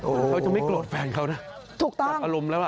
เขาจะไม่โกรธแฟนเขานะ